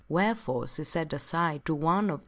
Wherefore she said aside to one of those *